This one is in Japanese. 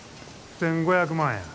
１，５００万や。